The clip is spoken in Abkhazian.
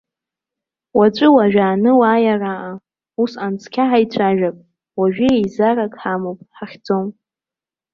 Уаҵәы уажәааны уааи араҟа, усҟан цқьа ҳаицәажәап, уажәы еизарак ҳамоуп, ҳахьӡом!